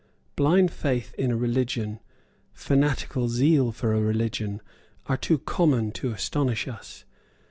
Blind faith in a religion, fanatical zeal for a religion, are too common to astonish us.